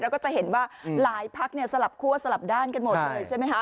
แล้วก็จะเห็นว่าหลายพักสลับคั่วสลับด้านกันหมดเลยใช่ไหมคะ